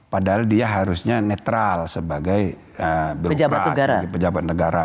padahal dia harusnya netral sebagai pejabat negara